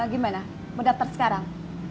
gimana mendaftar sekarang